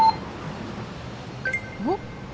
おっ？